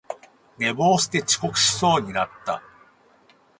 寝坊して遅刻しそうになった